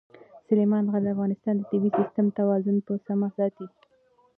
سلیمان غر د افغانستان د طبعي سیسټم توازن په سمه ساتي.